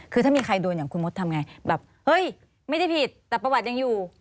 คือถ้ามีใครโดนอย่างคุณมดทำไงแบบเฮ้ยไม่ได้ผิดแต่ประวัติยังอยู่